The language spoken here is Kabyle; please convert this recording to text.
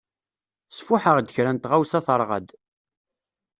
Sfuḥeɣ-d kra n tɣawsa teṛɣa-d.